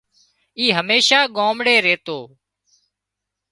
اي هميشان ڳامڙي ريتو